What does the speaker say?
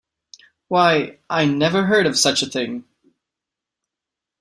Why, I never heard of such a thing!